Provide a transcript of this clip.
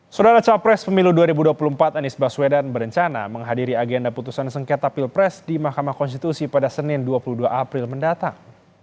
saudara capres pemilu dua ribu dua puluh empat anies baswedan berencana menghadiri agenda putusan sengketa pilpres di mahkamah konstitusi pada senin dua puluh dua april mendatang